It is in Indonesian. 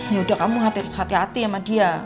yaudah kamu hati hati sama dia ya